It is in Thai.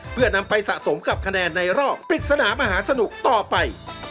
เพื่อนำไปสะสมกับคะแนนในรอบปริศนามหาสนุกต่อไป